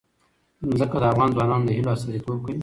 ځمکه د افغان ځوانانو د هیلو استازیتوب کوي.